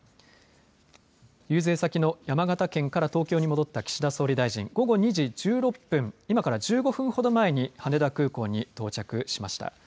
遊説先の山形県から東京に戻った岸田総理大臣午後２時１６分今から１５分ほど前に羽田空港に到着しました。